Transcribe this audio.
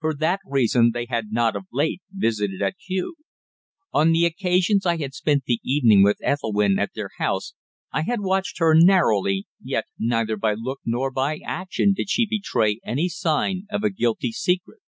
For that reason they had not of late visited at Kew. On the occasions I had spent the evening with Ethelwynn at their house I had watched her narrowly, yet neither by look nor by action did she betray any sign of a guilty secret.